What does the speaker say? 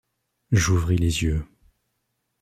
J’ouvris les yeux.